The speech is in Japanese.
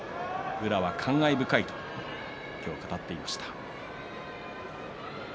宇良は感慨深いと今日、語っていました。